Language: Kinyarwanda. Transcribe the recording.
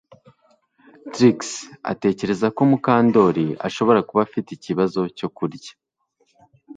Trix atekereza ko Mukandoli ashobora kuba afite ikibazo cyo kurya